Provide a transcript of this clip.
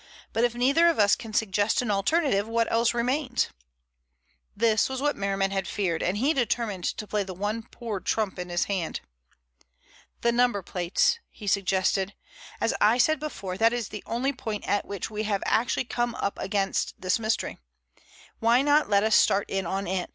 But if neither of us can suggest an alternative, what else remains?" This was what Merriman had feared and he determined to play the one poor trump in his hand. "The number plates," he suggested. "As I said before, that is the only point at which we have actually come up against this mystery. Why not let us start in on it?